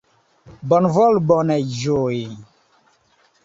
Bonvolu bone ĝui!